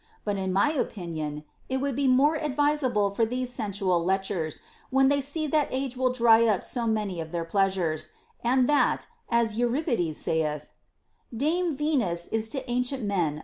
But, in my opinion, it would be more ad visable for these sensual lechers, when they see that age will dry up so many of their pleasures, and that, as Euripi des saith, Dame Venus is to ancient men a foe,* * Eurip.